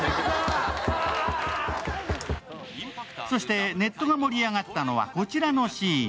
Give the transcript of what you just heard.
そしてネットが盛り上がったのはこちらのシーン。